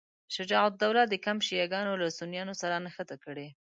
شجاع الدوله د کمپ شیعه ګانو له سنیانو سره نښته کړې.